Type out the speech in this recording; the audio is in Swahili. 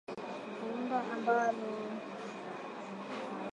Kundi ambalo wanaharakati wanaamini lilijumuisha zaidi ya darzeni tatu za wa-shia.